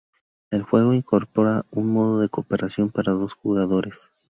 El juego incorpora un modo de cooperación para dos jugadores.